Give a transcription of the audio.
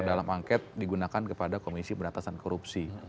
dalam angket digunakan kepada komisi beratasan korupsi